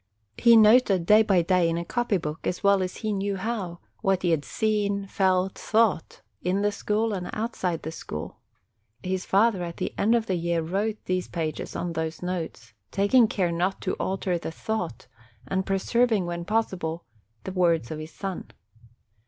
He noted day by day in a copy book, as well as he knew how, what he had seen, felt, thought, in the school and outside the school; his father at the end of the year wrote these pages on those notes, taking care not to alter the thought, and preserving, when it was pos sible, the words of his son.